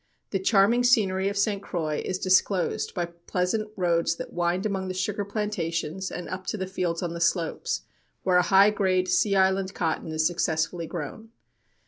The charming scenery of St. Croix is disclosed by pleasant roads that wind among the sugar plantations and up to the fields on the slopes, where a high grade sea island cotton is successfully grown.